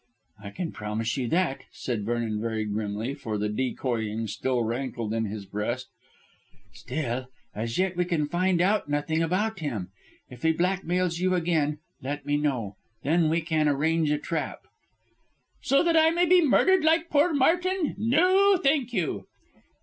"I can promise you that," said Vernon very grimly, for the decoying still rankled in his breast. "Still, as yet we can find out nothing about him. If he blackmails you again, let me know. Then we can arrange a trap." "So that I may be murdered like poor Martin. No, thank you."